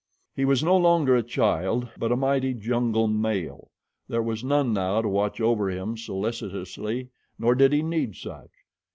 He was no longer a child, but a mighty jungle male. There was none now to watch over him, solicitously, nor did he need such.